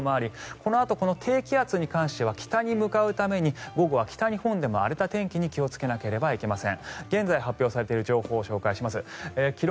このあと、この低気圧に関しては北に向かうために午後は北日本でも荒れた天気に気をつけなければいけません。